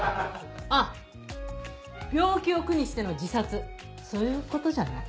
あぁ病気を苦にしての自殺そういうことじゃない？